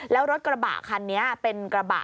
แล้วรถกระบะคันนี้เป็นกระบะ